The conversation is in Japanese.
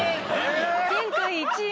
前回１位が。